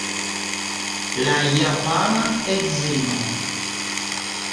La japana edzino.